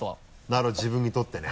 なるほど自分にとってね。